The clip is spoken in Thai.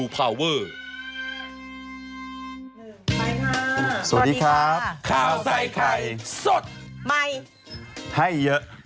ข่าวใส่ไข่สดใหม่ให้เยอะ